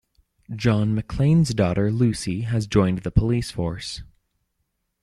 John McClane's daughter Lucy has joined the police force.